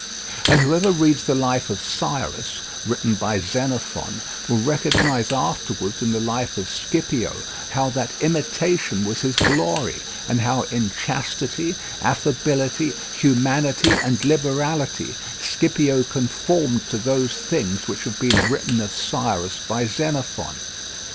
And whoever reads the life of Cyrus, written by Xenophon, will recognize afterwards in the life of Scipio how that imitation was his glory, and how in chastity, affability, humanity, and liberality Scipio conformed to those things which have been written of Cyrus by Xenophon.